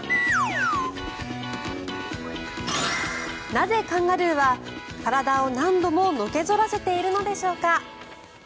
なぜカンガルーは体を何度ものけ反らせているのでしょうか。